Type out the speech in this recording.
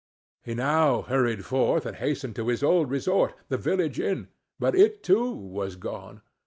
He now hurried forth, and hastened to his old resort, the village inn—but it too was gone.